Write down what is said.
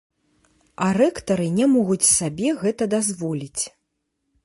А рэктары не могуць сабе гэта дазволіць.